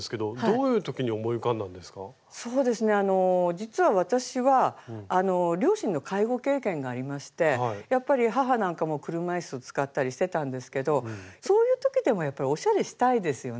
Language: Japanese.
実は私は両親の介護経験がありましてやっぱり母なんかも車いす使ったりしてたんですけどそういう時でもやっぱりおしゃれしたいですよね。